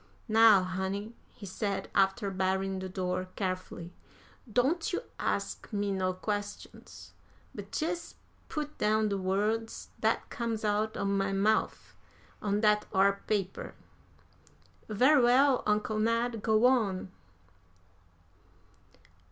"Now, honey," he said, after barring the door carefully, "don't you ax me no questions, but jes' put down de words dat comes out o' my mouf on dat ar paper." "Very well, Uncle Ned, go on."